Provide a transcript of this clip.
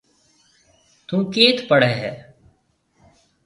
ٿون ڪيٿ پڙهيَ هيَ؟